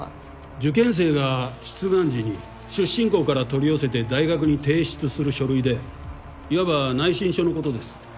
受験生が出願時に出身校から取り寄せて大学に提出する書類でいわば内申書のことです。